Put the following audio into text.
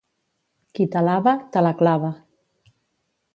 Qui t'alaba, te la clava.